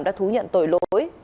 đã thú nhận tội lỗi